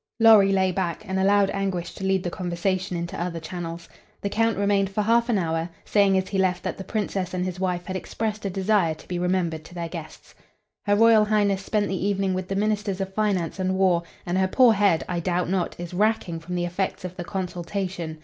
Lorry lay back and allowed Anguish to lead the conversation into other channels. The Count remained for half an hour, saying as he left that the Princess and his wife had expressed a desire to be remembered to their guests. "Her Royal Highness spent the evening with the ministers of finance and war, and her poor head, I doubt not, is racking from the effects of the consultation.